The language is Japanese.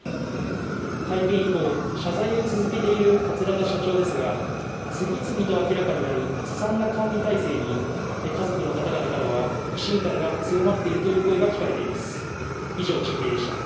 会見以降、謝罪を続けている桂田社長ですが、次々と明らかになるずさんな管理体制に、家族の方々からは不信感が強まっているという声が聞かれています。